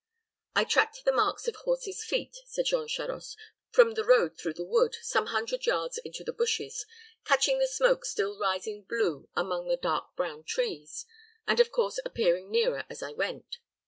"I tracked the marks of horse's feet," said Jean Charost, "from the road through the wood, some hundred yards into the bushes, catching the smoke still rising blue among the dark brown trees, and, of course, appearing nearer as I went.